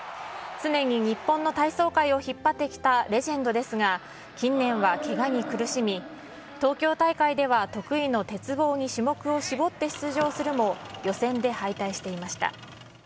常に日本の体操界を引っ張ってきたレジェンドですが、近年はけがに苦しみ、東京大会では得意の鉄棒に種目を絞って出場するも、予選で敗退していました。